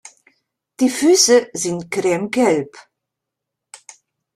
Die Füße sind cremegelb.